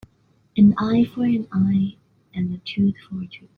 An eye for an eye and a tooth for a tooth.